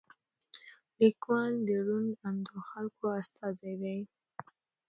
لیکوال د روڼ اندو خلکو استازی دی.